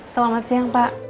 selamat siang pak